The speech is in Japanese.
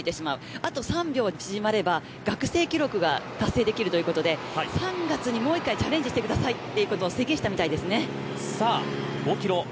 あと３秒縮まれば学生記録が達成できるということで３月にもう一度チャレンジしてくださいと宣言したみたいですね。